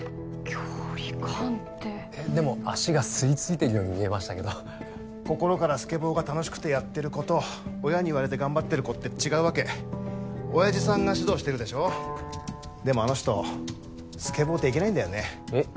距離感ってでも足が吸い付いてるように見えましたけど心からスケボーが楽しくてやってる子と親に言われて頑張ってる子って違うわけ親父さんが指導してるでしょでもあの人スケボーできないんだよねえっ？